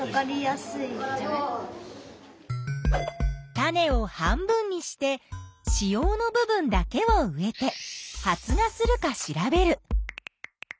種を半分にして子葉の部分だけを植えて発芽するか調べる。